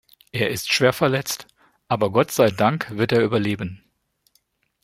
Er ist schwer verletzt, aber Gott sei Dank wird er überleben.